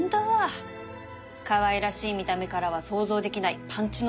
かわいらしい見た目からは想像できないパンチの強さ